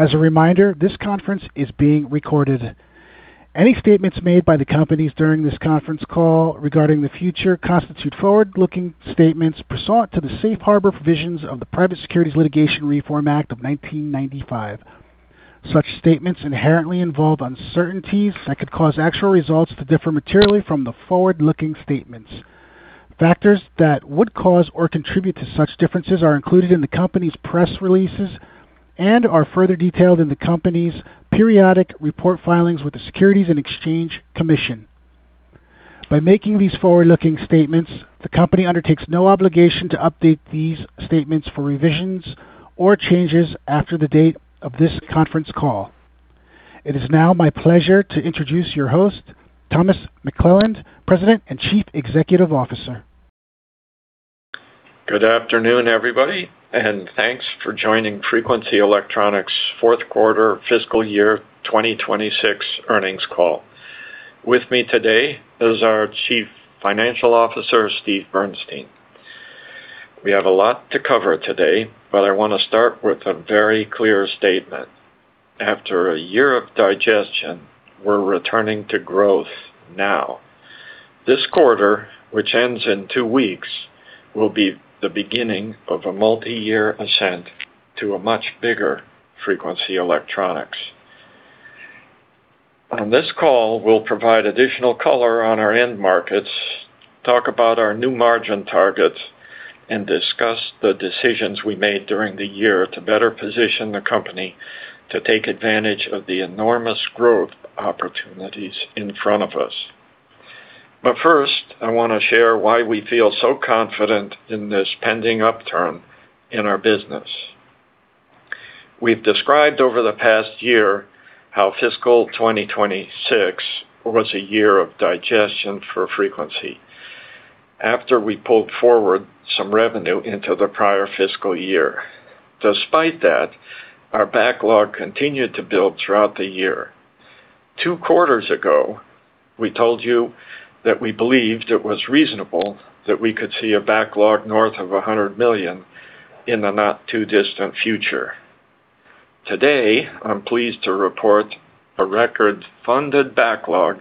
As a reminder, this conference is being recorded. Any statements made by the companies during this conference call regarding the future constitute forward-looking statements pursuant to the safe harbor provisions of the Private Securities Litigation Reform Act of 1995. Such statements inherently involve uncertainties that could cause actual results to differ materially from the forward-looking statements. Factors that would cause or contribute to such differences are included in the company's press releases and are further detailed in the company's periodic report filings with the Securities and Exchange Commission. By making these forward-looking statements, the company undertakes no obligation to update these statements for revisions or changes after the date of this conference call. It is now my pleasure to introduce your host, Thomas McClelland, President and Chief Executive Officer. Good afternoon, everybody, and thanks for joining Frequency Electronics' Fourth Quarter fiscal year 2026 Earnings Call. With me today is our Chief Financial Officer, Steven Bernstein. I want to start with a very clear statement. After a year of digestion, we're returning to growth now. This quarter, which ends in two weeks, will be the beginning of a multi-year ascent to a much bigger Frequency Electronics. On this call, we'll provide additional color on our end markets, talk about our new margin targets, and discuss the decisions we made during the year to better position the company to take advantage of the enormous growth opportunities in front of us. First, I want to share why we feel so confident in this pending upturn in our business. We've described over the past year how fiscal 2026 was a year of digestion for Frequency after we pulled forward some revenue into the prior fiscal year. Despite that, our backlog continued to build throughout the year. Two quarters ago, we told you that we believed it was reasonable that we could see a backlog north of $100 million in the not-too-distant future. Today, I'm pleased to report a record-funded backlog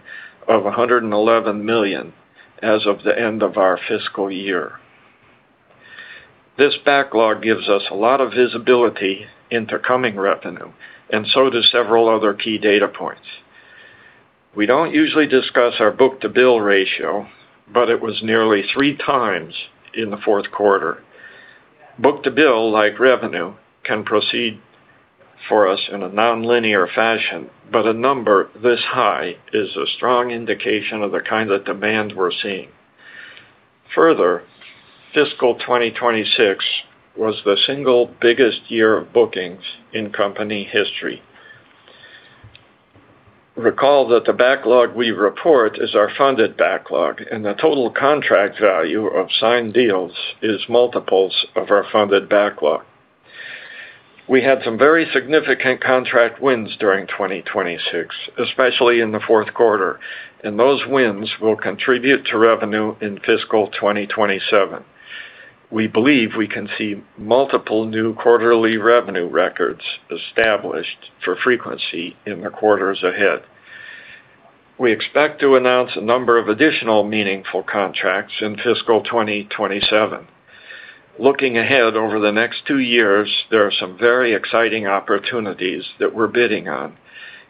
of $111 million as of the end of our fiscal year. This backlog gives us a lot of visibility into coming revenue, and so do several other key data points. We don't usually discuss our book-to-bill ratio, but it was nearly 3x in the fourth quarter. Book-to-bill, like revenue, can proceed for us in a nonlinear fashion, but a number this high is a strong indication of the kind of demand we're seeing. Further, fiscal 2026 was the single biggest year of bookings in company history. Recall that the backlog we report is our funded backlog, and the total contract value of signed deals is multiples of our funded backlog. We had some very significant contract wins during 2026, especially in the fourth quarter, and those wins will contribute to revenue in fiscal 2027. We believe we can see multiple new quarterly revenue records established for Frequency in the quarters ahead. We expect to announce a number of additional meaningful contracts in fiscal 2027. Looking ahead over the next two years, there are some very exciting opportunities that we're bidding on,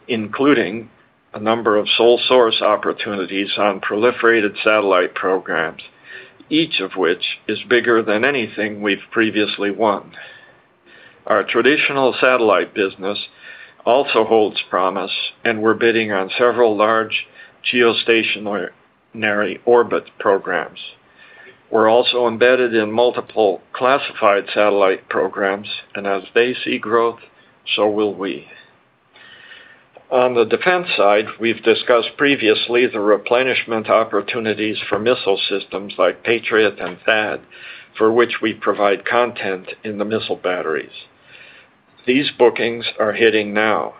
including a number of sole-source opportunities on proliferated satellite programs, each of which is bigger than anything we've previously won. Our traditional satellite business also holds promise, and we're bidding on several large geostationary orbit programs. We're also embedded in multiple classified satellite programs, and as they see growth, so will we. On the defense side, we've discussed previously the replenishment opportunities for missile systems like Patriot and Terminal High Altitude Area Defense, for which we provide content in the missile batteries. These bookings are hitting now.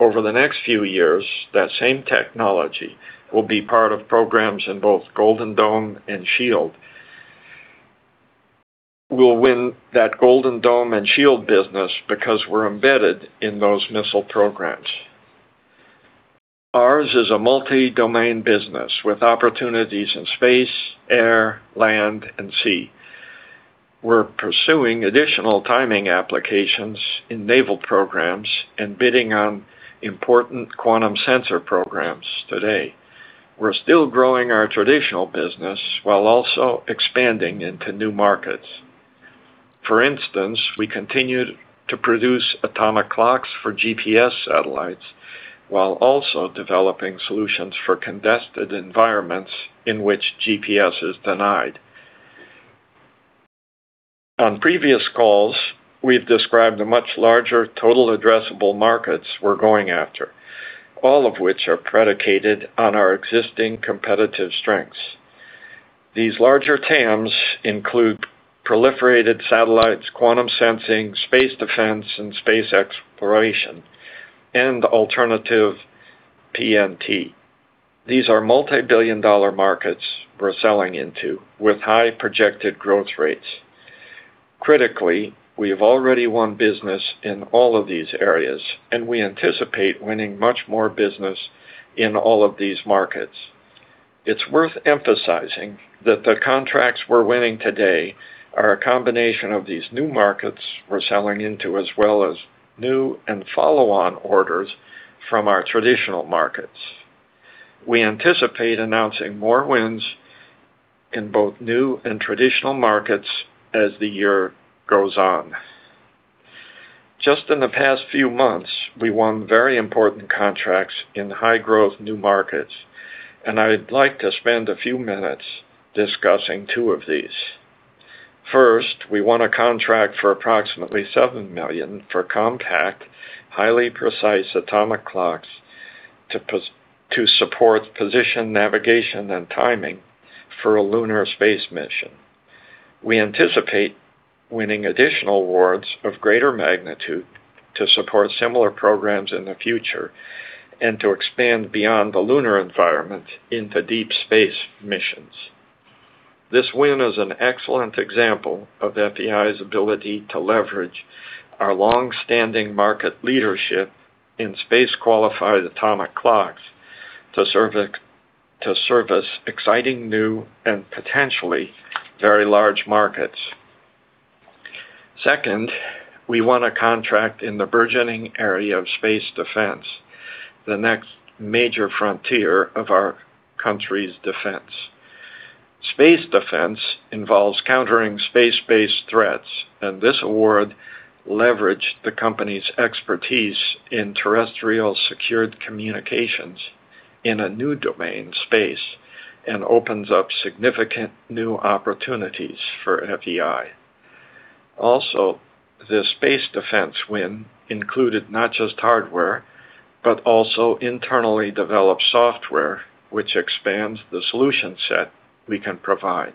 Over the next few years, that same technology will be part of programs in both Golden Dome and SHIELD. We'll win that Golden Dome and SHIELD business because we're embedded in those missile programs. Ours is a multi-domain business with opportunities in space, air, land, and sea. We're pursuing additional timing applications in naval programs and bidding on important quantum sensor programs today. We're still growing our traditional business while also expanding into new markets. For instance, we continued to produce atomic clocks for GPS satellites while also developing solutions for contested environments in which GPS is denied. On previous calls, we've described the much larger total addressable markets we're going after, all of which are predicated on our existing competitive strengths. These larger TAMs include proliferated satellite programs, quantum sensing, space defense, and space exploration, alternative PNT. These are multibillion-dollar markets we're selling into with high projected growth rates. Critically, we've already won business in all of these areas, and we anticipate winning much more business in all of these markets. It's worth emphasizing that the contracts we're winning today are a combination of these new markets we're selling into, as well as new and follow-on orders from our traditional markets. We anticipate announcing more wins in both new and traditional markets as the year goes on. Just in the past few months, we won very important contracts in high-growth new markets, and I'd like to spend a few minutes discussing two of these. First, we won a contract for approximately $7 million for compact, highly precise atomic clocks to support position, navigation, and timing for a lunar space mission. We anticipate winning additional awards of greater magnitude to support similar programs in the future and to expand beyond the lunar environment into deep space missions. This win is an excellent example of FEI's ability to leverage our long-standing market leadership in space-qualified atomic clocks to service exciting new and potentially very large markets. Second, we won a contract in the burgeoning area of space defense, the next major frontier of our country's defense. Space defense involves countering space-based threats, this award leveraged the company's expertise in terrestrial secured communications in a new domain, space, opens up significant new opportunities for FEI. The space defense win included not just hardware, but also internally developed software, which expands the solution set we can provide.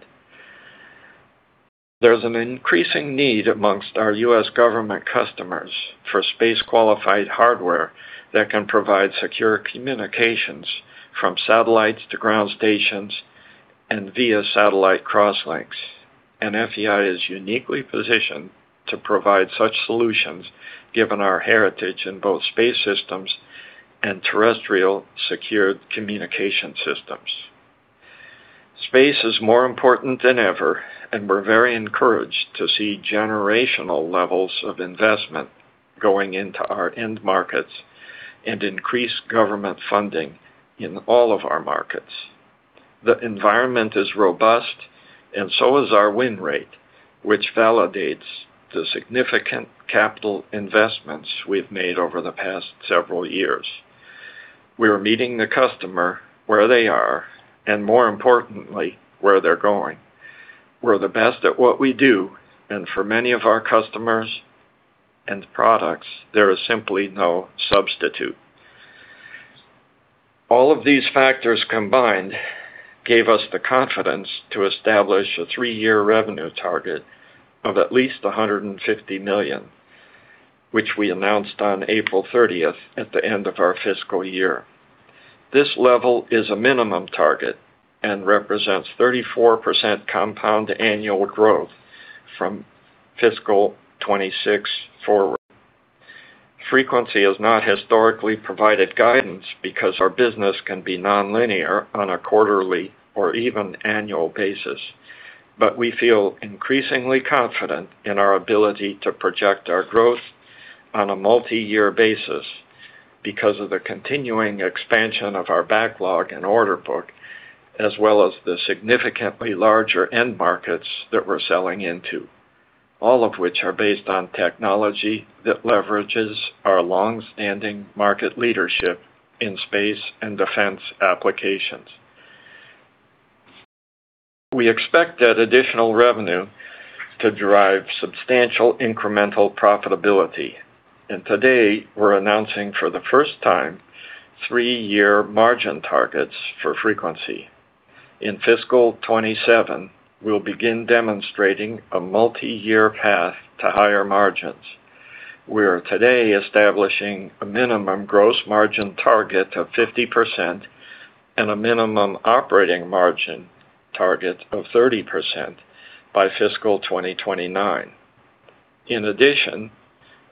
There's an increasing need amongst our U.S. government customers for space-qualified hardware that can provide secure communications from satellites to ground stations and via satellite cross links. FEI is uniquely positioned to provide such solutions given our heritage in both space systems and terrestrial secured communication systems. Space is more important than ever, and we're very encouraged to see generational levels of investment going into our end markets and increased government funding in all of our markets. The environment is robust, and so is our win rate, which validates the significant capital investments we've made over the past several years. We are meeting the customer where they are and more importantly, where they're going. We're the best at what we do, and for many of our customers and products, there is simply no substitute. All of these factors combined gave us the confidence to establish a three-year revenue target of at least $150 million, which we announced on April 30th at the end of our fiscal year. This level is a minimum target and represents 34% compound annual growth from fiscal 2026 forward. Frequency has not historically provided guidance because our business can be nonlinear on a quarterly or even annual basis. We feel increasingly confident in our ability to project our growth on a multi-year basis because of the continuing expansion of our backlog and order book, as well as the significantly larger end markets that we're selling into. All of which are based on technology that leverages our long-standing market leadership in space and defense applications. We expect that additional revenue to drive substantial incremental profitability. Today we're announcing for the first time, three-year margin targets for Frequency. In fiscal 2027, we'll begin demonstrating a multi-year path to higher margins. We're today establishing a minimum gross margin target of 50% and a minimum operating margin target of 30% by fiscal 2029. In addition,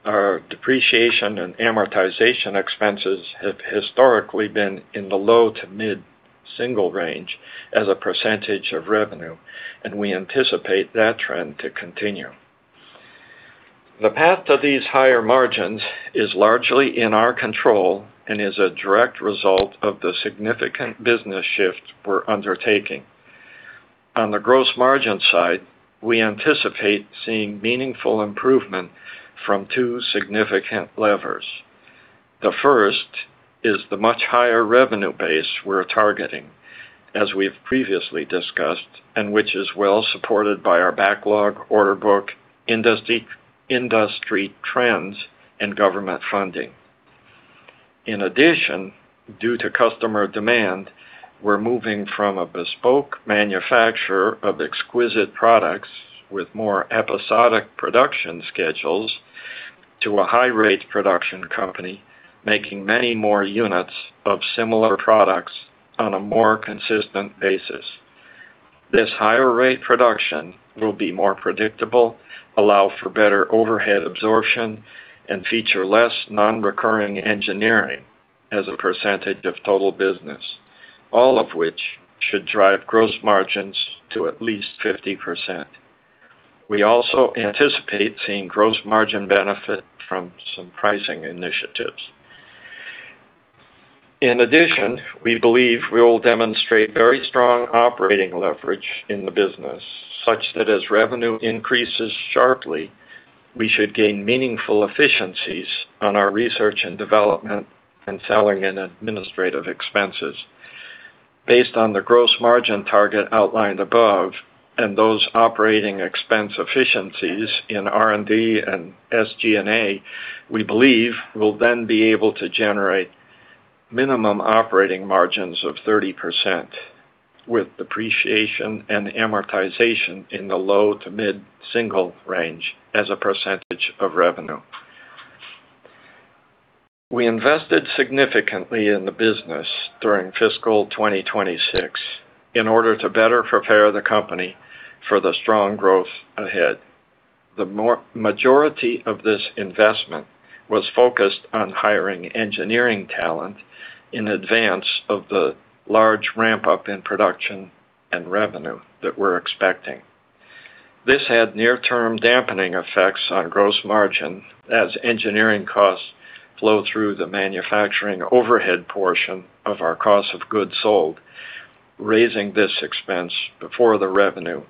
our depreciation and amortization expenses have historically been in the low to mid-single range as a percentage of revenue, and we anticipate that trend to continue. The path to these higher margins is largely in our control and is a direct result of the significant business shift we're undertaking. On the gross margin side, we anticipate seeing meaningful improvement from two significant levers. The first is the much higher revenue base we're targeting, as we've previously discussed, and which is well supported by our backlog, order book, industry trends, and government funding. In addition, due to customer demand, we're moving from a bespoke manufacturer of exquisite products with more episodic production schedules to a high-rate production company, making many more units of similar products on a more consistent basis. This higher rate production will be more predictable, allow for better overhead absorption, and feature less non-recurring engineering as a percentage of total business, all of which should drive gross margins to at least 50%. We also anticipate seeing gross margin benefit from some pricing initiatives. In addition, we believe we will demonstrate very strong operating leverage in the business, such that as revenue increases sharply, we should gain meaningful efficiencies on our research and development and selling and administrative expenses. Based on the gross margin target outlined above and those operating expense efficiencies in R&D and SG&A, we believe we'll then be able to generate minimum operating margins of 30%, with depreciation and amortization in the low to mid-single range as a percentage of revenue. We invested significantly in the business during fiscal 2026 in order to better prepare the company for the strong growth ahead. The majority of this investment was focused on hiring engineering talent in advance of the large ramp-up in production and revenue that we're expecting. This had near-term dampening effects on gross margin as engineering costs flow through the manufacturing overhead portion of our cost of goods sold, raising this expense before the revenue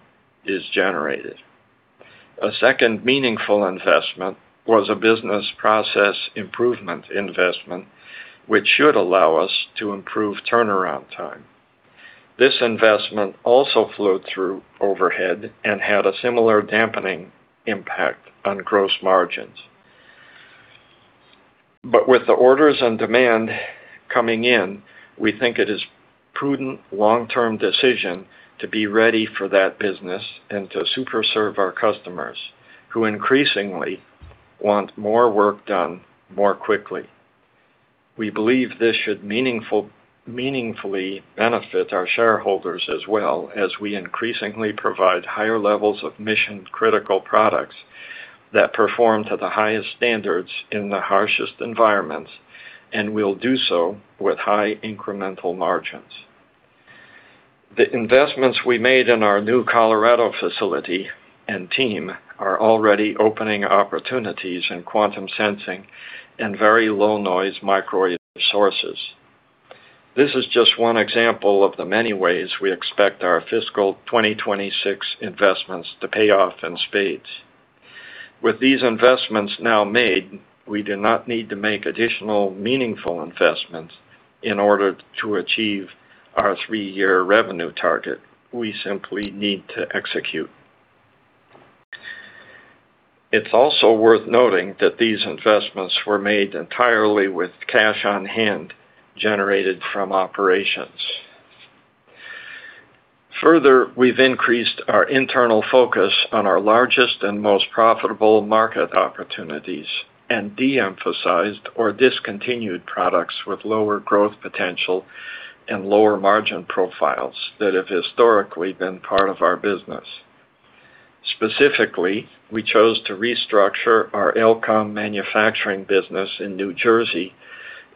is generated. A second meaningful investment was a business process improvement investment, which should allow us to improve turnaround time. This investment also flowed through overhead and had a similar dampening impact on gross margins. With the orders and demand coming in, we think it is prudent long-term decision to be ready for that business and to super serve our customers who increasingly want more work done more quickly. We believe this should meaningfully benefit our shareholders as well as we increasingly provide higher levels of mission-critical products that perform to the highest standards in the harshest environments, and will do so with high incremental margins. The investments we made in our new Colorado facility and team are already opening opportunities in quantum sensing and very low-noise microwave sources. This is just one example of the many ways we expect our fiscal 2026 investments to pay off in spades. With these investments now made, we do not need to make additional meaningful investments in order to achieve our three-year revenue target. We simply need to execute. It's also worth noting that these investments were made entirely with cash on hand generated from operations. Further, we've increased our internal focus on our largest and most profitable market opportunities and de-emphasized or discontinued products with lower growth potential and lower margin profiles that have historically been part of our business. Specifically, we chose to restructure our FEI-Elcom manufacturing business in New Jersey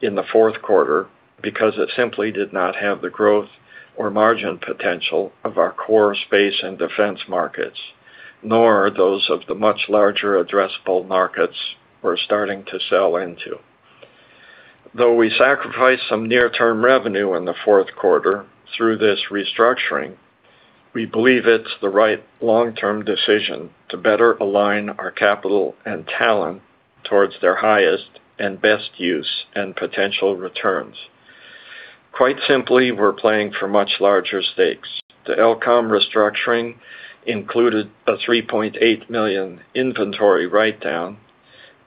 in the fourth quarter because it simply did not have the growth or margin potential of our core space and defense markets, nor those of the much larger addressable markets we're starting to sell into. Though we sacrificed some near-term revenue in the fourth quarter through this restructuring, we believe it's the right long-term decision to better align our capital and talent towards their highest and best use and potential returns. Quite simply, we're playing for much larger stakes. The FEI-Elcom restructuring included a $3.8 million inventory write-down,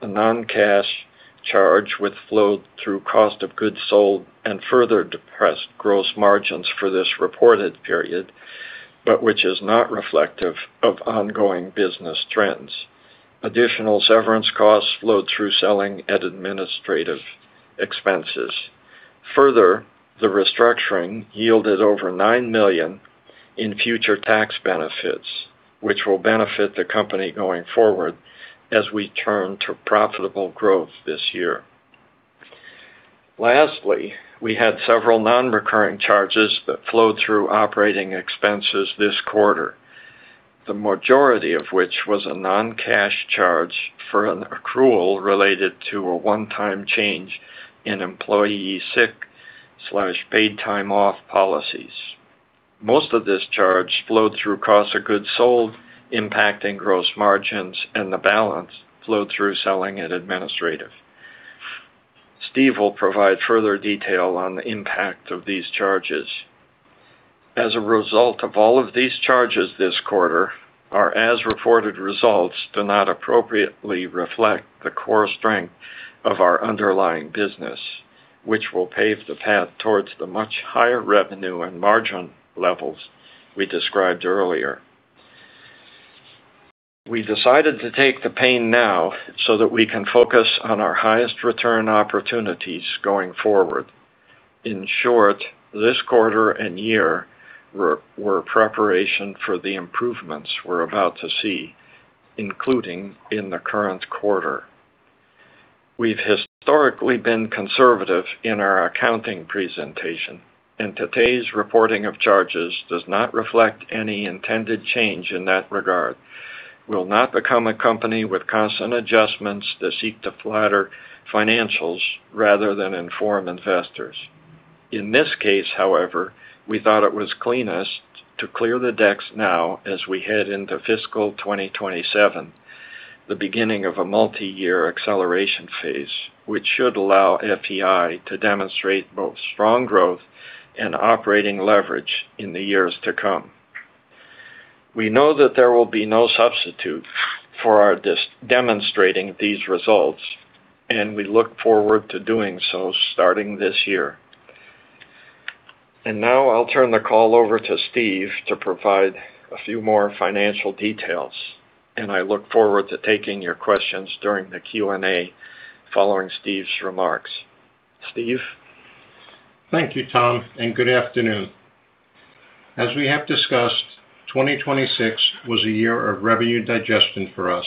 a non-cash charge, which flowed through cost of goods sold and further depressed gross margins for this reported period, but which is not reflective of ongoing business trends. Additional severance costs flowed through selling and administrative expenses. Further, the restructuring yielded over $9 million in future tax benefits, which will benefit the company going forward as we turn to profitable growth this year. Lastly, we had several non-recurring charges that flowed through operating expenses this quarter. The majority of which was a non-cash charge for an accrual related to a one-time change in employee sick/paid time off policies. Most of this charge flowed through cost of goods sold, impacting gross margins, and the balance flowed through selling and administrative. Steve will provide further detail on the impact of these charges. As a result of all of these charges this quarter, our as-reported results do not appropriately reflect the core strength of our underlying business, which will pave the path towards the much higher revenue and margin levels we described earlier. We decided to take the pain now so that we can focus on our highest return opportunities going forward. In short, this quarter and year were preparation for the improvements we're about to see, including in the current quarter. We've historically been conservative in our accounting presentation, and today's reporting of charges does not reflect any intended change in that regard. We'll not become a company with constant adjustments that seek to flatter financials rather than inform investors. In this case, however, we thought it was cleanest to clear the decks now as we head into fiscal 2027, the beginning of a multi-year acceleration phase, which should allow FEI to demonstrate both strong growth and operating leverage in the years to come. We know that there will be no substitute for our demonstrating these results, and we look forward to doing so starting this year. Now I'll turn the call over to Steven to provide a few more financial details, and I look forward to taking your questions during the Q&A following Steven's remarks. Steven? Thank you, Thomas, and good afternoon. As we have discussed, 2026 was a year of revenue digestion for us,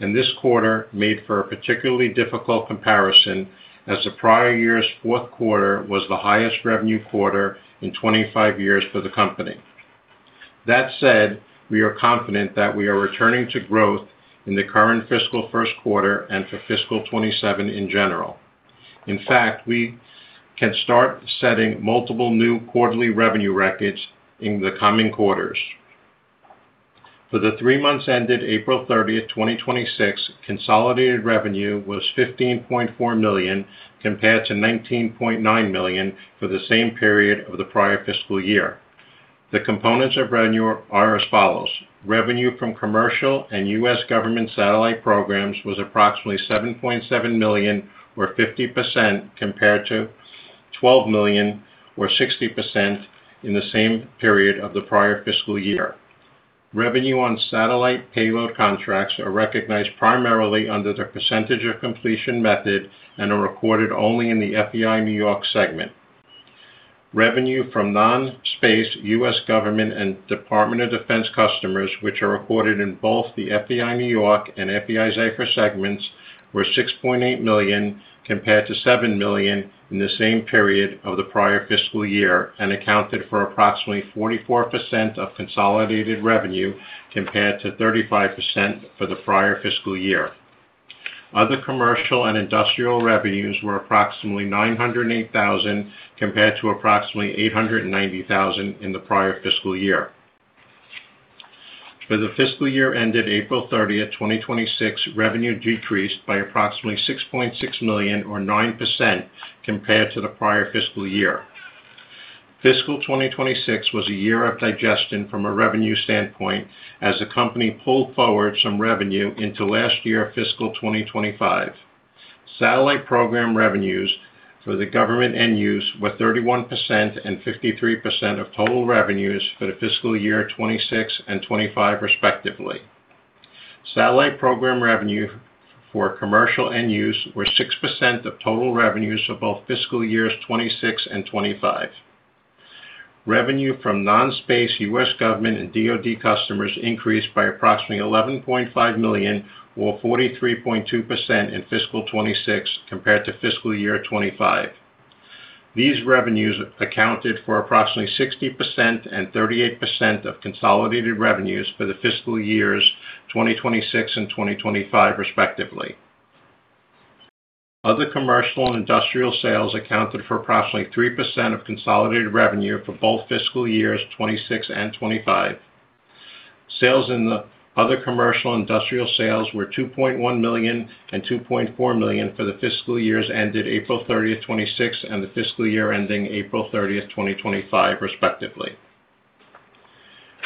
and this quarter made for a particularly difficult comparison as the prior year's fourth quarter was the highest revenue quarter in 25 years for the company. That said, we are confident that we are returning to growth in the current fiscal first quarter and for fiscal 2027 in general. In fact, we can start setting multiple new quarterly revenue records in the coming quarters. For the three months ended April 30th, 2026, consolidated revenue was $15.4 million compared to $19.9 million for the same period of the prior fiscal year. The components of revenue are as follows. Revenue from commercial and U.S. government satellite programs was approximately $7.7 million, or 50%, compared to $12 million, or 60%, in the same period of the prior fiscal year. Revenue on satellite payload contracts are recognized primarily under the percentage of completion method and are recorded only in the FEI-NY segment. Revenue from non-space U.S. government and Department of Defense customers, which are recorded in both the FEI-NY and FEI-Zyfer segments, were $6.8 million compared to $7 million in the same period of the prior fiscal year and accounted for approximately 44% of consolidated revenue, compared to 35% for the prior fiscal year. Other commercial and industrial revenues were approximately $908,000, compared to approximately $890,000 in the prior fiscal year. For the fiscal year ended April 30th, 2026, revenue decreased by approximately $6.6 million, or 9%, compared to the prior fiscal year. Fiscal 2026 was a year of digestion from a revenue standpoint as the company pulled forward some revenue into last year, fiscal 2025. Satellite program revenues for the government end use were 31% and 53% of total revenues for the fiscal year 2026 and 2025, respectively. Satellite program revenue for commercial end use were 6% of total revenues for both fiscal years 2026 and 2025. Revenue from non-space U.S. government and DoD customers increased by approximately $11.5 million or 43.2% in fiscal 2026 compared to fiscal year 2025. These revenues accounted for approximately 60% and 38% of consolidated revenues for the fiscal years 2026 and 2025, respectively. Other commercial and industrial sales accounted for approximately 3% of consolidated revenue for both fiscal years 2026 and 2025. Sales in the other commercial industrial sales were $2.1 million and $2.4 million for the fiscal years ended April 30th, 2026 and the fiscal year ending April 30th, 2025, respectively.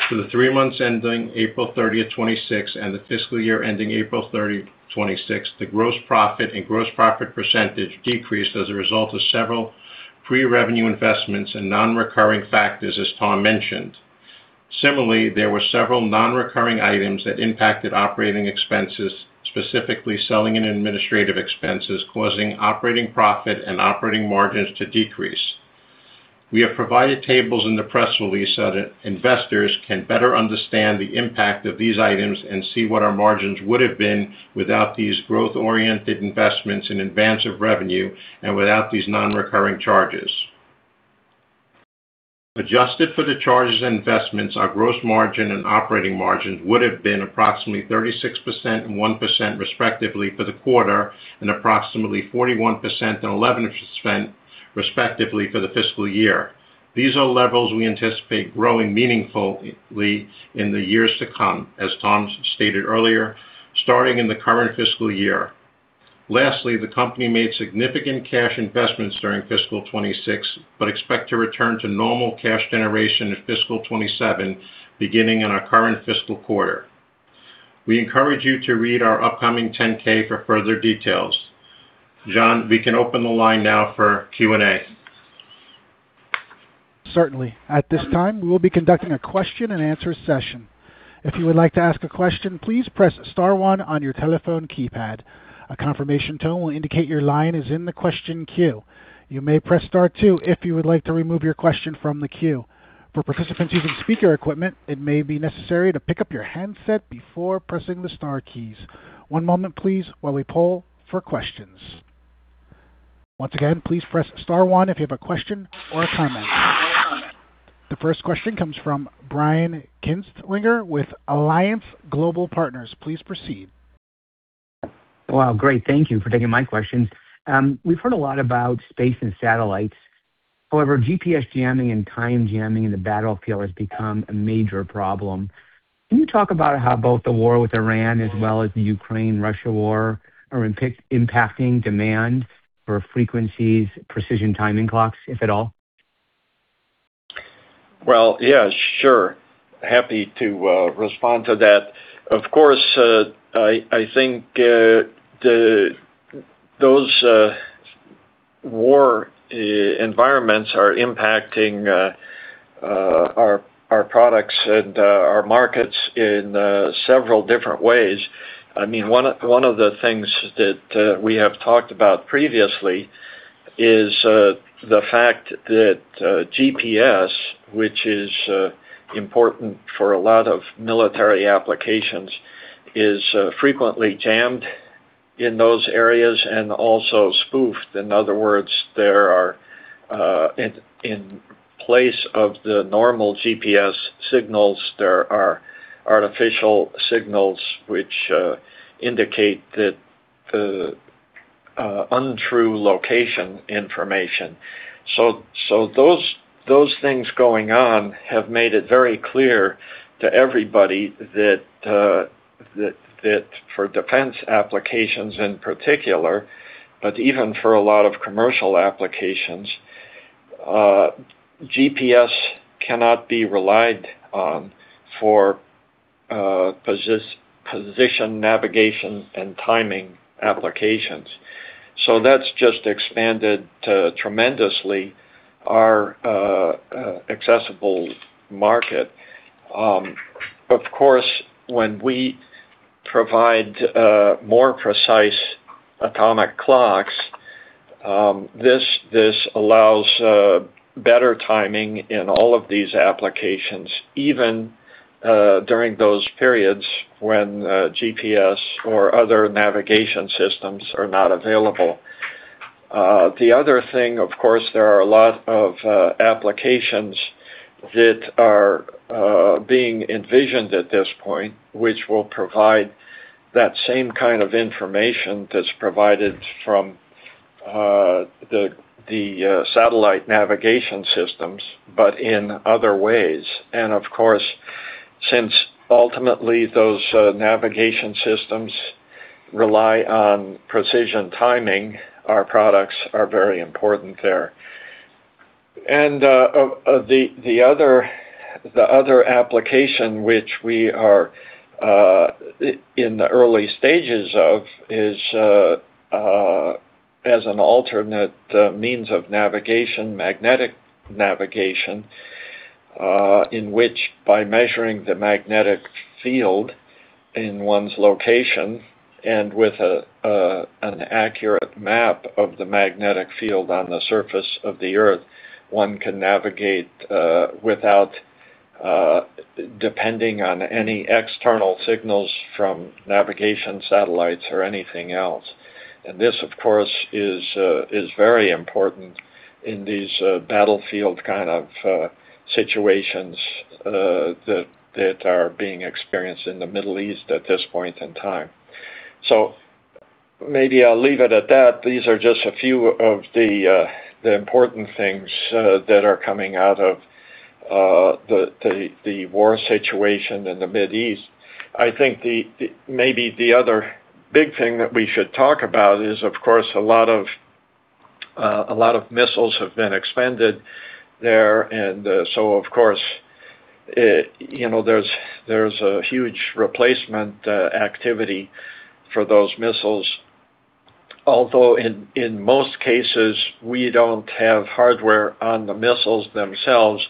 For the three months ending April 30th, 2026 and the fiscal year ending April 30th, 2026, the gross profit and gross profit percentage decreased as a result of several pre-revenue investments and non-recurring factors as Tom mentioned. Similarly, there were several non-recurring items that impacted operating expenses, specifically selling and administrative expenses, causing operating profit and operating margins to decrease. We have provided tables in the press release so that investors can better understand the impact of these items and see what our margins would've been without these growth-oriented investments in advance of revenue and without these non-recurring charges. Adjusted for the charges and investments, our gross margin and operating margins would've been approximately 36% and 1%, respectively, for the quarter and approximately 41% and 11%, respectively, for the fiscal year. These are levels we anticipate growing meaningfully in the years to come, as Tom stated earlier, starting in the current fiscal year. Lastly, the company made significant cash investments during fiscal 2026 but expect to return to normal cash generation in fiscal 2027, beginning in our current fiscal quarter. We encourage you to read our upcoming 10-K for further details. John, we can open the line now for Q&A. Certainly. At this time, we will be conducting a question-and-answer session. If you would like to ask a question, please press star one on your telephone keypad. A confirmation tone will indicate your line is in the question queue. You may press star two if you would like to remove your question from the queue. For participants using speaker equipment, it may be necessary to pick up your handset before pressing the star keys. One moment please, while we poll for questions. Once again, please press star one if you have a question or a comment. The first question comes from Brian Kinstlinger with Alliance Global Partners. Please proceed. Well, great. Thank you for taking my questions. We've heard a lot about space and satellites. However, GPS jamming and time jamming in the battlefield has become a major problem. Can you talk about how both the war with Iran as well as the Ukraine-Russia war are impacting demand for frequencies, precision timing clocks, if at all? I think those war environments are impacting our products and our markets in several different ways. One of the things that we have talked about previously is the fact that GPS, which is important for a lot of military applications, is frequently jammed in those areas and also spoofed. In other words, in place of the normal GPS signals, there are artificial signals which indicate the untrue location information. Those things going on have made it very clear to everybody that for defense applications in particular, but even for a lot of commercial applications, GPS cannot be relied on for position navigation and timing applications. That's just expanded tremendously our accessible market. When we provide more precise atomic clocks, this allows better timing in all of these applications, even during those periods when GPS or other navigation systems are not available. The other thing, of course, there are a lot of applications that are being envisioned at this point, which will provide that same kind of information that's provided from the satellite navigation systems, but in other ways. Since ultimately those navigation systems rely on precision timing, our products are very important there. The other application, which we are in the early stages of, is as an alternate means of navigation, magnetic navigation, in which by measuring the magnetic field in one's location and with an accurate map of the magnetic field on the surface of the Earth, one can navigate without depending on any external signals from navigation satellites or anything else. This, of course, is very important in these battlefield kind of situations that are being experienced in the Middle East at this point in time. Maybe I'll leave it at that. These are just a few of the important things that are coming out of the war situation in the Mid East. I think maybe the other big thing that we should talk about is, of course, a lot of missiles have been expended there's a huge replacement activity for those missiles. Although in most cases, we don't have hardware on the missiles themselves,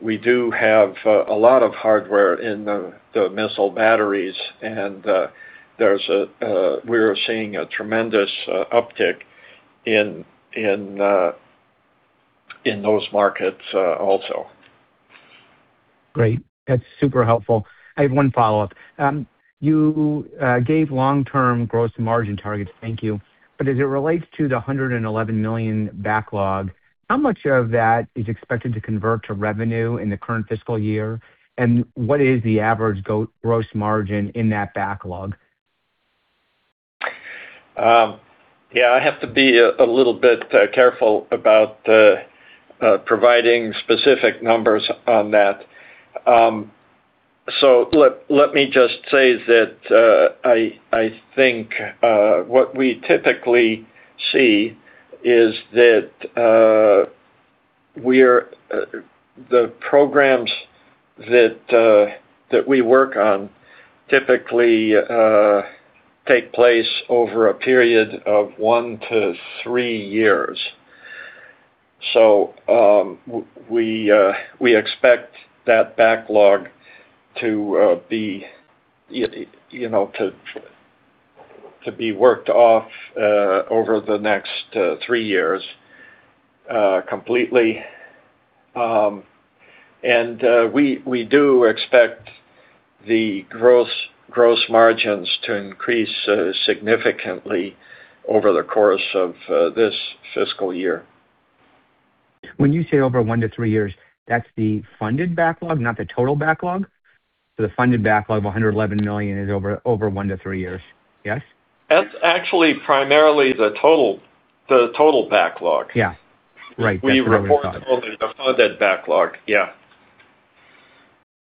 we do have a lot of hardware in the missile batteries, and we're seeing a tremendous uptick in those markets also. Great. That's super helpful. I have one follow-up. You gave long-term gross margin targets. Thank you. As it relates to the $111 million backlog, how much of that is expected to convert to revenue in the current fiscal year? What is the average gross margin in that backlog? Yeah, I have to be a little bit careful about providing specific numbers on that. Let me just say that I think what we typically see is that the programs that we work on typically take place over a period of one to three years. We expect that backlog to be worked off over the next three years completely. We do expect the gross margins to increase significantly over the course of this fiscal year. When you say over one to three years, that's the funded backlog, not the total backlog? The funded backlog, $111 million, is over one to three years. Yes? That's actually primarily the total backlog. Yeah. Right. That's what I would thought. We report only the funded backlog. Yeah.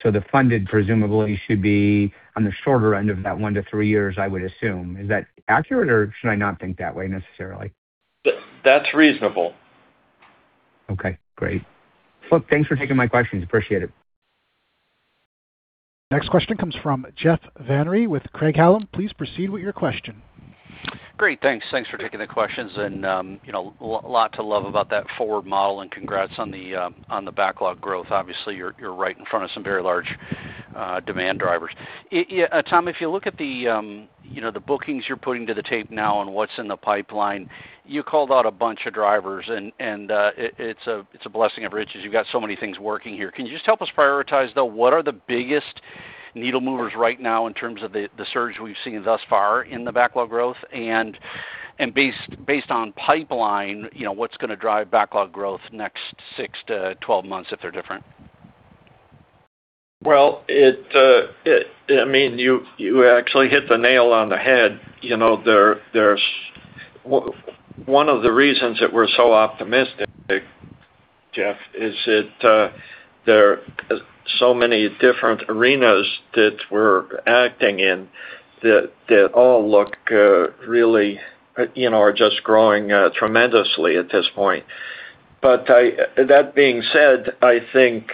The funded presumably should be on the shorter end of that one to three years, I would assume. Is that accurate, or should I not think that way necessarily? That's reasonable. Okay, great. Look, thanks for taking my questions. Appreciate it. Next question comes from Jeff Van Rhee with Craig-Hallum. Please proceed with your question. Great. Thanks for taking the questions, a lot to love about that forward model and congrats on the backlog growth. Obviously, you're right in front of some very large demand drivers. Tom, if you look at the bookings you're putting to the tape now and what's in the pipeline, you called out a bunch of drivers and it's a blessing of riches. You've got so many things working here. Can you just help us prioritize, though, what are the biggest needle movers right now in terms of the surge we've seen thus far in the backlog growth? Based on pipeline, what's going to drive backlog growth next six to 12 months if they're different? Well, you actually hit the nail on the head. One of the reasons that we're so optimistic, Jeff, is that there are so many different arenas that we're acting in that all look really are just growing tremendously at this point. That being said, I think,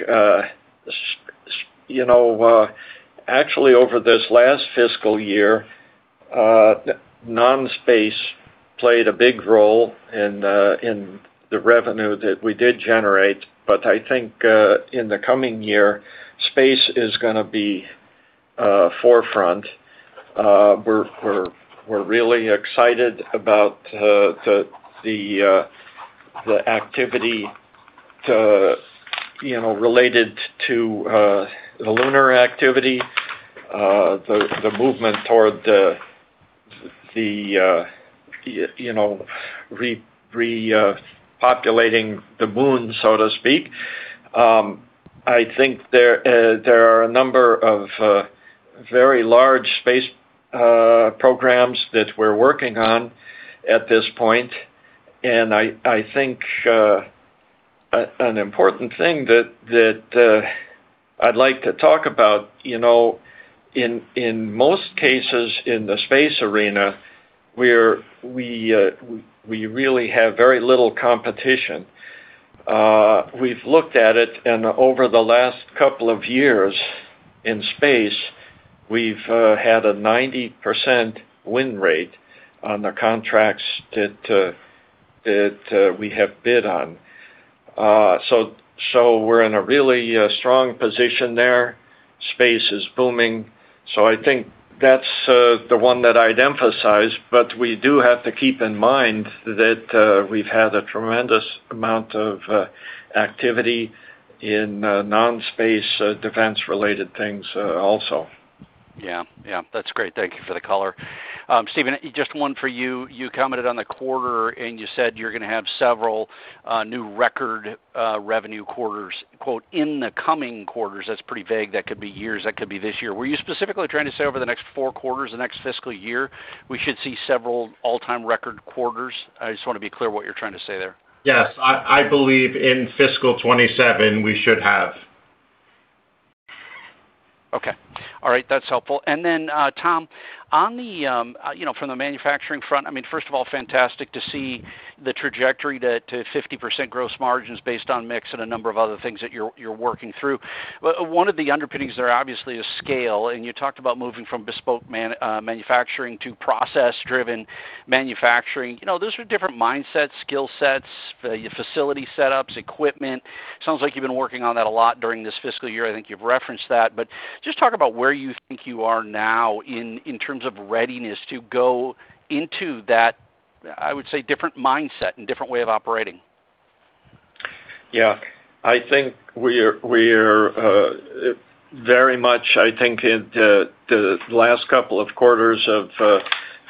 actually over this last fiscal year, non-space played a big role in the revenue that we did generate. I think, in the coming year, space is going to be forefront. We're really excited about the activity related to the lunar activity, the movement toward repopulating the moon, so to speak. I think there are a number of very large space programs that we're working on at this point. I think an important thing that I'd like to talk about, in most cases in the space arena, we really have very little competition. We've looked at it, Over the last couple of years in space, we've had a 90% win rate on the contracts that we have bid on. We're in a really strong position there. Space is booming. I think that's the one that I'd emphasize, but we do have to keep in mind that we've had a tremendous amount of activity in non-space defense-related things also. Yeah. That's great. Thank you for the color. Steven, just one for you. You commented on the quarter, You said you're gonna have several new record revenue quarters, quote, "In the coming quarters." That's pretty vague. That could be years. That could be this year. Were you specifically trying to say over the next four quarters, the next fiscal year, we should see several all-time record quarters? I just wanna be clear what you're trying to say there. Yes. I believe in fiscal 2027, we should have. Okay. All right. That's helpful. Then, Tom, from the manufacturing front, first of all, fantastic to see the trajectory to 50% gross margins based on mix a number of other things that you're working through. One of the underpinnings there, obviously, is scale, you talked about moving from bespoke manufacturing to process-driven manufacturing. Those are different mindsets, skill sets, your facility setups, equipment. Sounds like you've been working on that a lot during this fiscal year. I think you've referenced that. Just talk about where you think you are now in terms of readiness to go into that, I would say, different mindset and different way of operating. Yeah. I think we're very much in the last couple of quarters of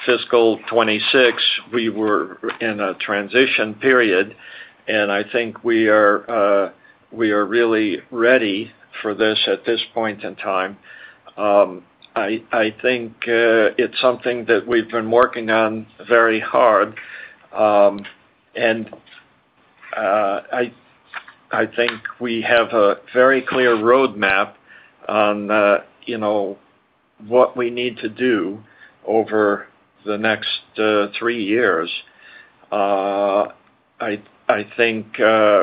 fiscal 2026, we were in a transition period, and I think we are really ready for this at this point in time. I think it's something that we've been working on very hard. I think we have a very clear roadmap on what we need to do over the next three years. I think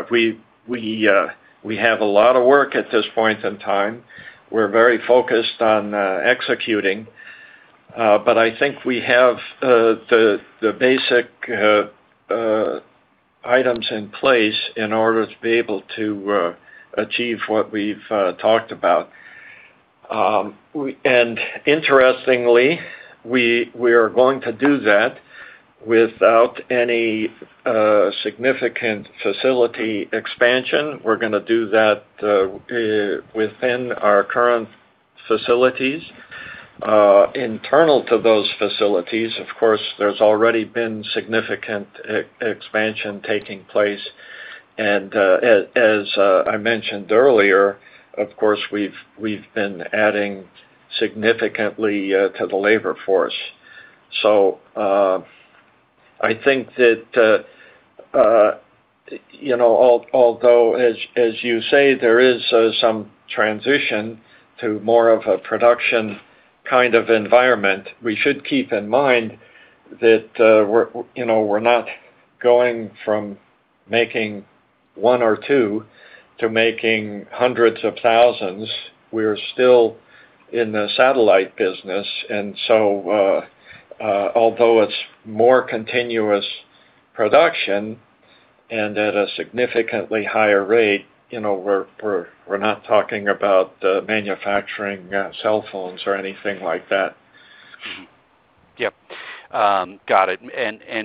we have a lot of work at this point in time. We're very focused on executing. I think we have the basic items in place in order to be able to achieve what we've talked about. Interestingly, we are going to do that without any significant facility expansion. We're going to do that within our current facilities. Internal to those facilities, of course, there's already been significant expansion taking place. As I mentioned earlier, of course, we've been adding significantly to the labor force. I think that although, as you say, there is some transition to more of a production kind of environment, we should keep in mind that we're not going from making one or two to making hundreds of thousands. We are still in the satellite business. Although it's more continuous production and at a significantly higher rate, we're not talking about manufacturing cell phones or anything like that. Yep. Got it.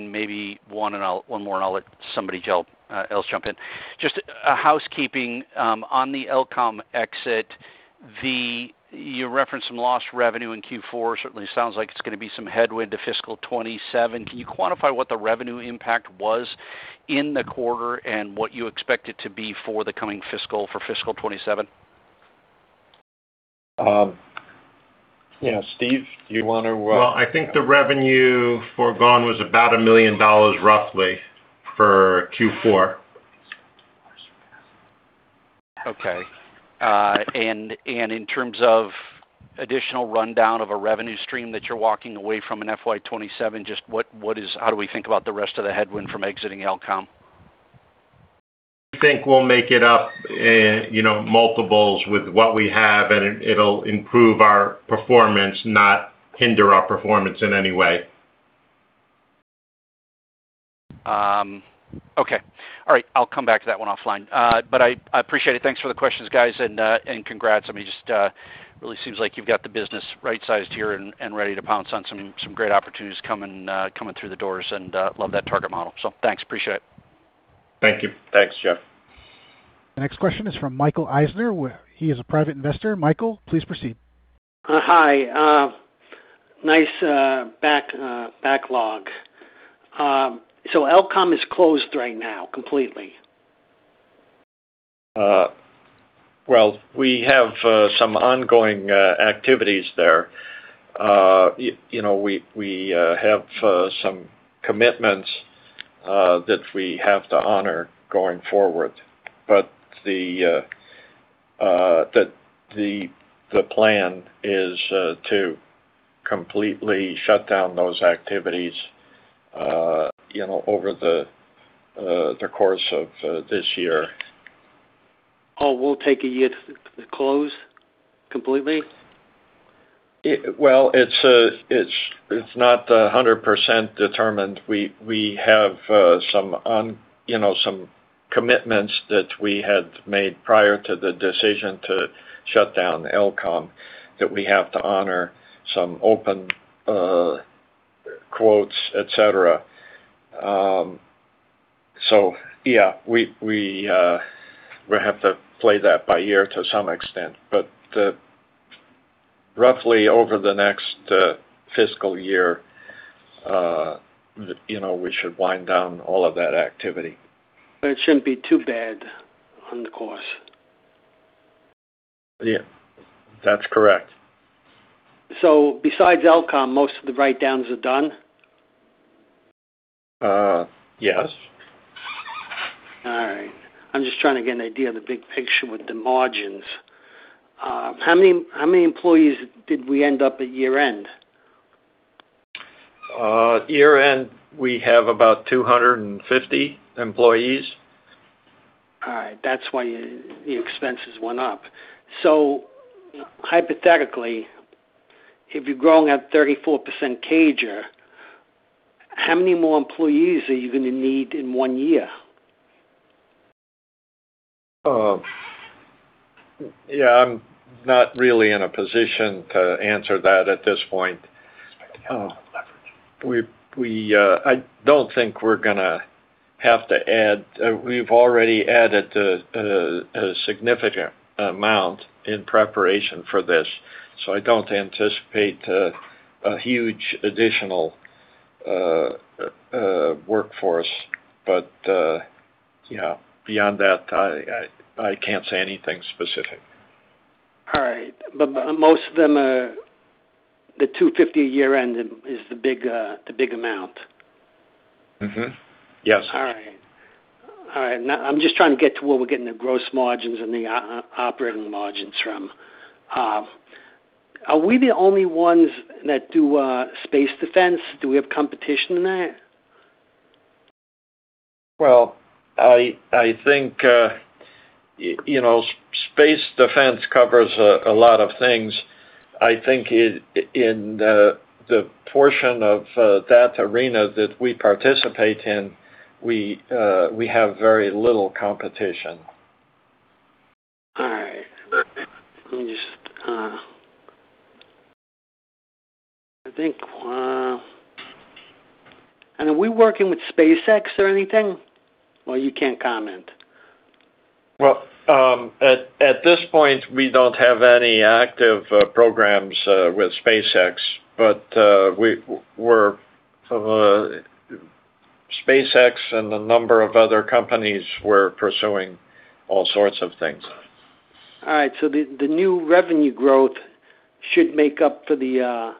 Maybe one more, and I'll let somebody else jump in. Just a housekeeping, on the FEI-Elcom exit, you referenced some lost revenue in Q4, certainly sounds like it's going to be some headwind to fiscal 2027. Can you quantify what the revenue impact was in the quarter and what you expect it to be for the coming fiscal, for fiscal 2027? Yeah. Steve, do you want to? Well, I think the revenue forgone was about $1 million roughly for Q4. Okay. In terms of additional rundown of a revenue stream that you're walking away from in FY 2027, how do we think about the rest of the headwind from exiting FEI-Elcom? We think we'll make it up in multiples with what we have, and it'll improve our performance, not hinder our performance in any way. Okay. All right. I'll come back to that one offline. I appreciate it. Thanks for the questions, guys, and congrats. I mean, just really seems like you've got the business right-sized here and ready to pounce on some great opportunities coming through the doors, and love that target model. Thanks, appreciate it. Thank you. Thanks, Jeff. Next question is from Michael Eisner. He is a private investor. Michael, please proceed. Hi. Nice backlog. FEI-Elcom is closed right now completely? Well, we have some ongoing activities there. We have some commitments that we have to honor going forward. The plan is to completely shut down those activities over the course of this year. Oh, will it take a year to close completely? Well, it's not 100% determined. We have some commitments that we had made prior to the decision to shut down FEI-Elcom that we have to honor, some open quotes, et cetera. Yeah, we have to play that by ear to some extent. Roughly over the next fiscal year, we should wind down all of that activity. It shouldn't be too bad on the cost. Yeah. That's correct. Besides FEI-Elcom, most of the write-downs are done? Yes. All right. I'm just trying to get an idea of the big picture with the margins. How many employees did we end up at year-end? At year-end, we have about 250 employees. All right. That's why your expenses went up. Hypothetically, if you're growing at 34% CAGR, how many more employees are you going to need in one year? Yeah, I'm not really in a position to answer that at this point. I don't think we're going to have to add. We've already added a significant amount in preparation for this, so I don't anticipate a huge additional workforce. Beyond that, I can't say anything specific. All right. Most of them are the 250 year-end is the big amount. Mm-hmm. Yes. All right. I'm just trying to get to where we're getting the gross margins and the operating margins from. Are we the only ones that do space defense? Do we have competition in that? Well, I think space defense covers a lot of things. I think in the portion of that arena that we participate in, we have very little competition. All right. Let me just think. Are we working with SpaceX or anything? You can't comment? Well, at this point, we don't have any active programs with SpaceX, but SpaceX and a number of other companies, we're pursuing all sorts of things. All right, the new revenue growth should make up for the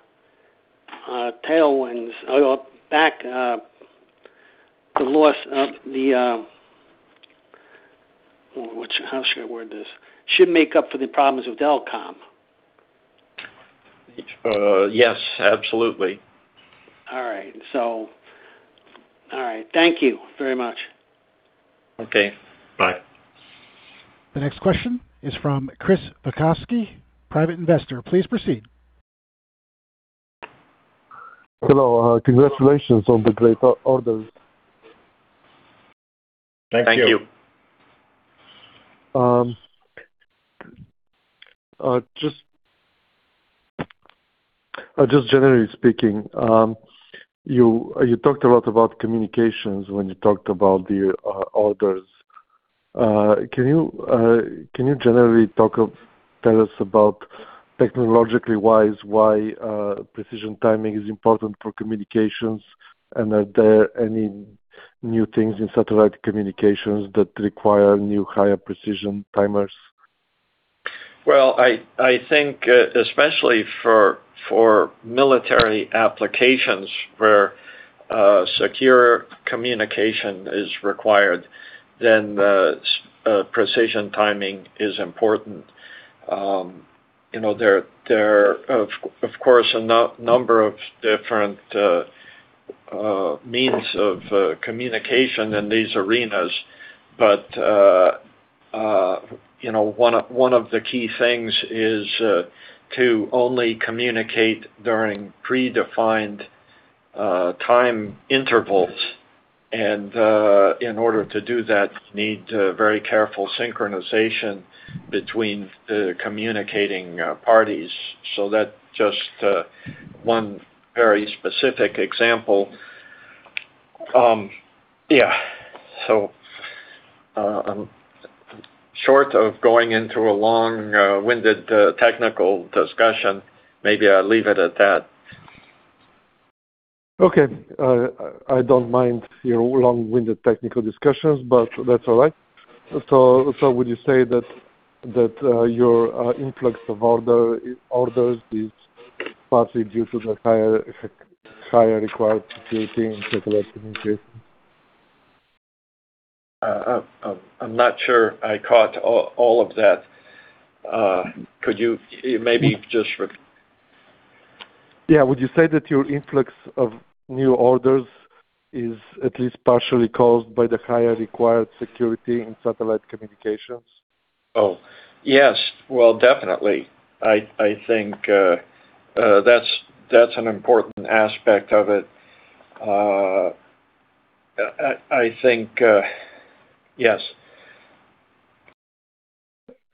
tailwinds. How should I word this? Should make up for the problems with FEI-Elcom. Yes, absolutely. All right. Thank you very much. Okay. Bye. The next question is from Chris Bakosky, Private Investor. Please proceed. Hello. Congratulations on the great orders. Thank you. Thank you. Just generally speaking, you talked a lot about communications when you talked about the orders. Can you generally tell us about technologically-wise why precision timing is important for communications, and are there any new things in satellite communications that require new, higher-precision timers? I think especially for military applications where secure communication is required, precision timing is important. There are, of course, a number of different means of communication in these arenas, one of the key things is to only communicate during predefined time intervals, in order to do that, need very careful synchronization between the communicating parties. That's just one very specific example. Yeah. Short of going into a long-winded technical discussion, maybe I'll leave it at that. Okay. I don't mind your long-winded technical discussions, that's all right. Would you say that your influx of orders is partly due to the higher required security in satellite communication? I'm not sure I caught all of that. Could you maybe just repeat? Yeah. Would you say that your influx of new orders is at least partially caused by the higher required security in satellite communications? Oh, yes. Well, definitely. I think that's an important aspect of it. I think, yes.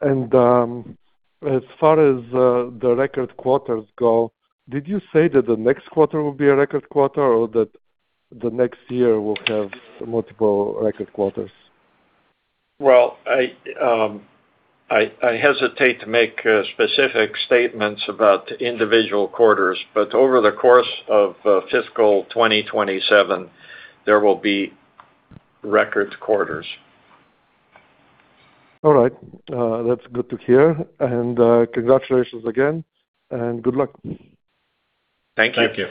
As far as the record quarters go, did you say that the next quarter will be a record quarter or that the next year will have multiple record quarters? Well, I hesitate to make specific statements about individual quarters. Over the course of fiscal 2027, there will be record quarters. All right. That's good to hear. Congratulations again. Good luck. Thank you. Thank you.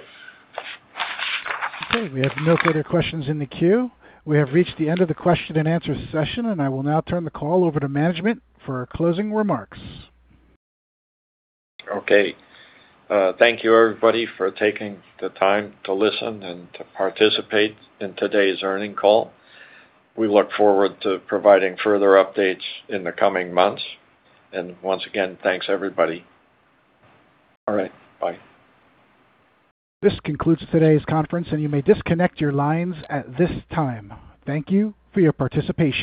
Okay, we have no further questions in the queue. We have reached the end of the question-and-answer session. I will now turn the call over to management for closing remarks. Okay. Thank you, everybody, for taking the time to listen and to participate in today's earnings call. We look forward to providing further updates in the coming months. Once again, thanks, everybody. All right. Bye. This concludes today's conference, and you may disconnect your lines at this time. Thank you for your participation.